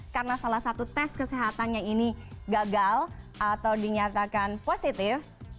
karena salah satu tes kesehatannya ini gagal atau dinyatakan positif